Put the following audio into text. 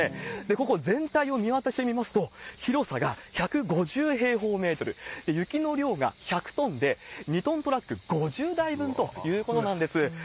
ここ全体を見渡してみますと、広さが１５０平方メートル、雪の量が１００トンで、２トントラック５０台分ということなんです。